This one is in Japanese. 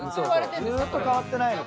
ずーっと変わってないの。